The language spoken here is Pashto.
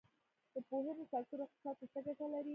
د پوهنې سکتور اقتصاد ته څه ګټه لري؟